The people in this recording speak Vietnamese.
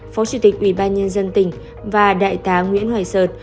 phó chủ tịch ủy ban nhân dân tỉnh và đại tá nguyễn hoài sơn